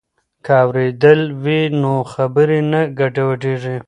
که اورېدل وي نو خبرې نه ګډوډیږي.